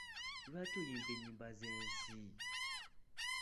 Lwaki oyimba ennyimba z'ensi?